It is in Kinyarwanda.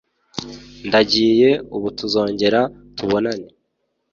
ndagiye ubutuzongera tubonane